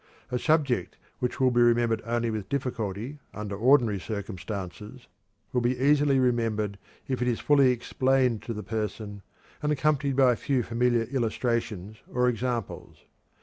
A subject which will be remembered only with difficulty under ordinary circumstances will be easily remembered if it is fully explained to the person, and accompanied by a few familiar illustrations or examples.